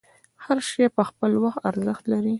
هر شی په خپل وخت ارزښت لري.